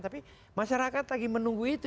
tapi masyarakat lagi menunggu itu